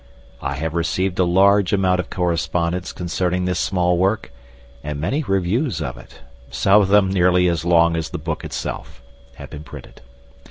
I have received a large amount of correspondence concerning this small work, and many reviews of it some of them nearly as long as the book itself have been printed.